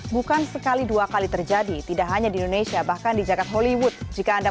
bukan sekali dua kali terjadi tidak hanya di indonesia bahkan di jakarta hollywood